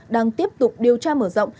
đang tiếp tục điều tra mở rộng